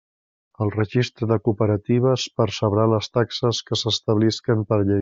El Registre de Cooperatives percebrà les taxes que s'establisquen per llei.